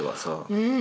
うん。